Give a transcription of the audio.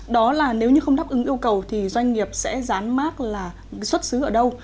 đó là nếu như không đáp ứng yêu cầu thì doanh nghiệp sẽ rán mát là xuất xứ ở đâu